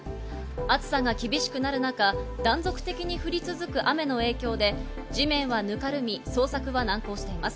暑さが厳しくなる中、断続的に降り続く雨の影響で地面はぬかるみ捜索は難航しています。